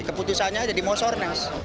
keputusannya ada di mosornas